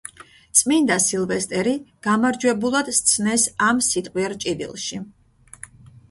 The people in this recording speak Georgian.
წმინდა სილვესტერი გამარჯვებულად სცნეს ამ სიტყვიერ ჭიდილში.